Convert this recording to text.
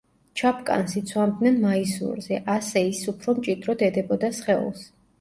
ჩაფკანს იცვამდნენ მაისურზე, ასე ის უფრო მჭიდროდ ედებოდა სხეულს.